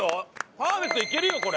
パーフェクトいけるよこれ。